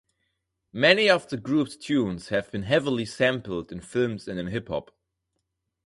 Many of the group's tunes have been heavily sampled in films and in hip-hop.